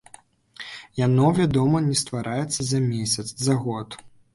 Яно, вядома, не ствараецца за месяц, за год.